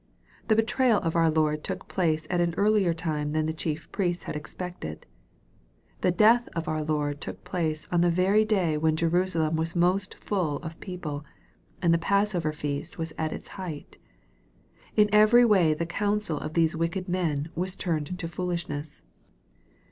The betrayal of our Lord took place at an earlier time than the chief priests had expected. The death of our Lord took place on the very day when Jerusalem was most full of people, and the passover feast was at its height. In every way the counsel of these wicked men was turned to foolishness.